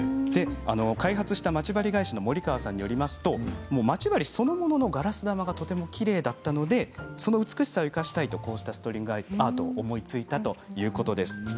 開発したまち針会社の森川さんによりますと、まち針そのもののガラス玉がとてもきれいだったのでその美しさを生かしたいとこうしたストリングアートを思いついたということなんです。